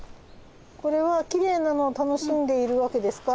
これはきれいなのを楽しんでいるわけですか？